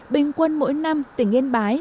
bình quân mỗi năm tỉnh yên bái